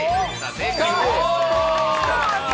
正解です。